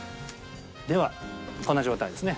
ではこんな状態ですね。